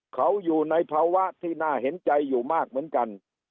เขาอยู่ในภาวะที่น่าเห็นใจอยู่มากเหมือนกัน